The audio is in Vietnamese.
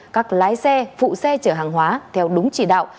các lái xe phụ xe chở hàng hóa theo đúng chỉ đạo